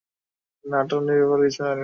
না টনির ব্যাপারে কিছু জানিনা।